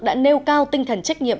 đã nêu cao tinh thần trách nhiệm